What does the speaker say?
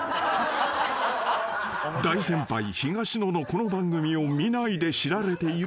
［大先輩東野のこの番組を見ないで知られているのだが］